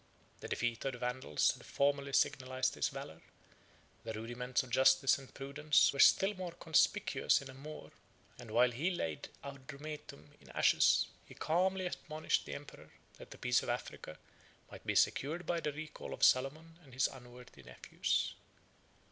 The defeat of the Vandals had formerly signalized his valor; the rudiments of justice and prudence were still more conspicuous in a Moor; and while he laid Adrumetum in ashes, he calmly admonished the emperor that the peace of Africa might be secured by the recall of Solomon and his unworthy nephews.